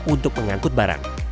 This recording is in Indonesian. untuk mengangkut barang